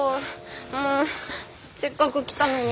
もうせっかく来たのに。